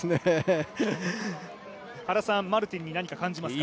原さん、マルティンに何か感じますか？